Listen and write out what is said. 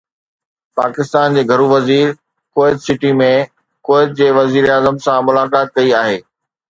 پاڪستان جي گهرو وزير ڪويت سٽي ۾ ڪويت جي وزيراعظم سان ملاقات ڪئي آهي